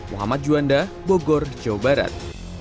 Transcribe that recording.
muhammad juanda bogor jawa barat